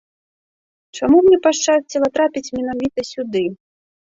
Чаму мне пашчасціла трапіць менавіта сюды?